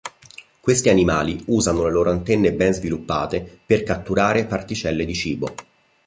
Questi animali usano le loro antenne ben sviluppate per catturare le particelle di cibo.